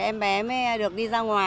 em bé mới được đi